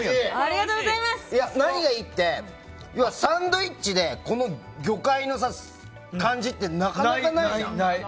何がいいって、サンドイッチでこの魚介の感じってなかなかないじゃん。